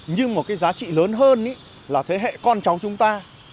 nhưng một cái giá trị lớn hơn là thế hệ con cháu chúng ta